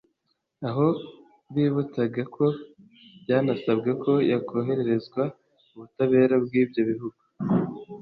aho bibutsaga ko byanasabwe ko yakohererezwa ubutabera bw’ibyo bihugu